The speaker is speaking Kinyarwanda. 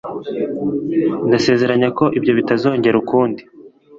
ndasezeranya ko ibyo bitazongera ukundi